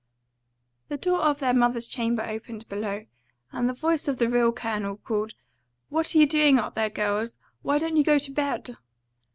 The door of their mother's chamber opened below, and the voice of the real Colonel called, "What are you doing up there, girls? Why don't you go to bed?"